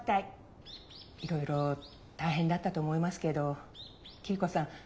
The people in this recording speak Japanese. いろいろ大変だったと思いますけど桐子さん